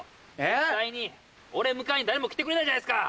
実際に俺迎えに誰も来てくれないじゃないですか！